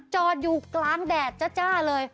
จอดอยู่กลางแดดจ้าเลย